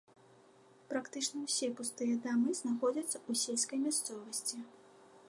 Практычна ўсе пустыя дамы знаходзяцца ў сельскай мясцовасці.